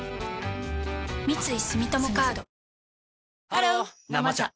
ハロー「生茶」